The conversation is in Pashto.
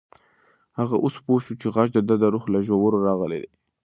هغه اوس پوه شو چې غږ د ده د روح له ژورو راغلی و.